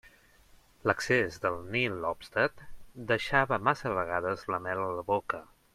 L'excés del nihil obstat deixava massa vegades la mel a la boca.